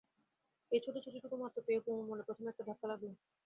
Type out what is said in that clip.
এই ছোটো চিঠিটুকু মাত্র পেয়ে কুমুর মনে প্রথমে একটা ধাক্কা লাগল।